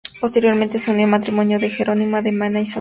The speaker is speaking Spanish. Posteriormente se unió en matrimonio con Jerónima de Mena y Saldaña.